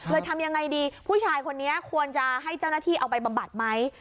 ทำยังไงดีผู้ชายคนนี้ควรจะให้เจ้าหน้าที่เอาไปบำบัดไหม